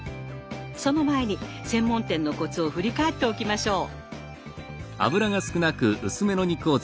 その前に専門店のコツを振り返っておきましょう。